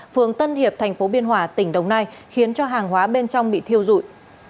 phường tân hiệp thành phố biên hòa tỉnh đồng nai khiến cho hàng hóa bên trong bị thiêu dụi